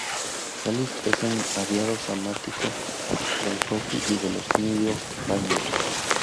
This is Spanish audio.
Cahill es un ávido fanático del hockey de los New York Rangers.